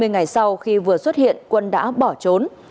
hai mươi ngày sau khi vừa xuất hiện quân đã bỏ trốn